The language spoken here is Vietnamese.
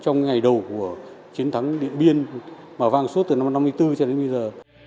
ngày đầu của chiến thắng điện biên mà vang suốt từ năm một nghìn chín trăm năm mươi bốn cho đến bây giờ